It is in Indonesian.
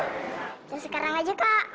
udah sekarang aja kak